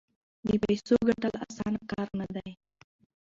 د پیسو ګټل اسانه کار نه دی.